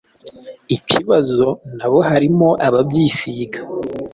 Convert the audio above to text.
ikibazo na bo harimo ababyisiga